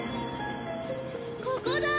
ここだ！